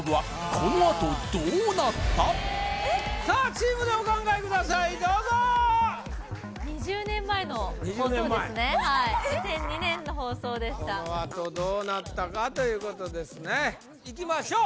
このあとどうなったかということですねいきましょう